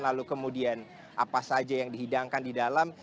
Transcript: lalu kemudian apa saja yang dihidangkan di dalam